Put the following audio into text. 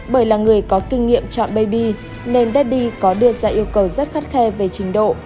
bởi là người có kinh nghiệm chọn bayb nên dedy có đưa ra yêu cầu rất khắt khe về trình độ